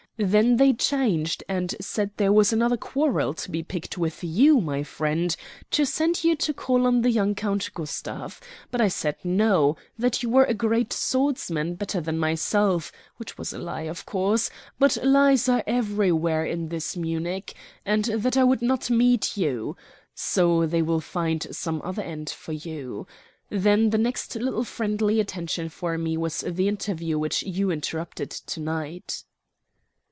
Then they changed and said there was another quarrel to be picked with you, my friend; to send you to call on the young Count Gustav. But I said no; that you were a great swordsman, better than myself, which was a lie of course but lies are everywhere in this Munich and that I would not meet you. So they will find some other end for you. Then the next little friendly attention for me was the interview which you interrupted to night."